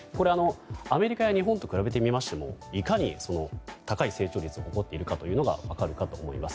アメリカや日本と比べてみましてもいかに高い成長率を誇っているかが分かるかと思います。